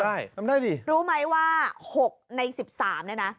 ใช่จำได้ดิรู้ไหมว่า๖ใน๑๓เนี่ยนะ